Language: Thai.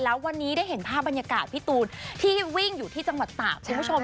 แล้ววันนี้ได้เห็นภาพบรรยากาศพี่ตูนที่วิ่งอยู่ที่จังหวัดตากคุณผู้ชม